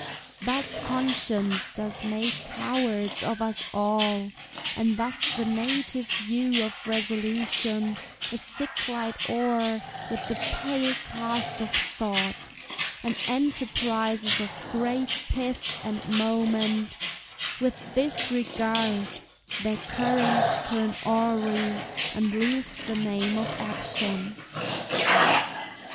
Thus conscience does make cowards of us all; And thus the native hue of resolution Is sicklied o'er with the pale cast of thought; And enterprises of great pith and moment, With this regard, their currents turn awry, And lose the name of action.